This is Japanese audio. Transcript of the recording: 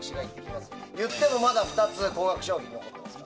いってもまだ２つ高額商品残ってますから。